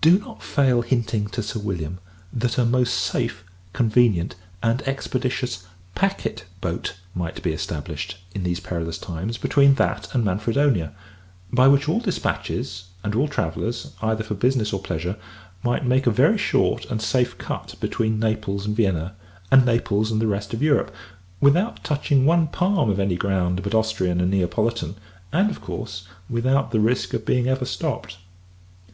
Do not fail hinting to Sir William, that a most safe, convenient, and expeditious packet boat, might be established, in these perilous times, between that and Manfredonia: by which all dispatches, and all travellers, either for business or pleasure, might make a very short and safe cut between Naples and Vienna, and Naples and the rest of Europe, without touching one palm of any ground but Austrian and Neapolitan; and, of course, without the risk of being ever stopped.